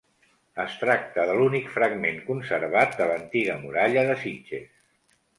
Es tracta de l'únic fragment conservat de l'antiga muralla de Sitges.